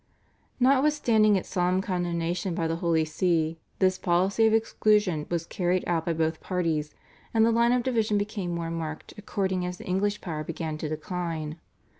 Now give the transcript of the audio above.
Notwithstanding its solemn condemnation by the Holy See this policy of exclusion was carried out by both parties, and the line of division became more marked according as the English power began to decline.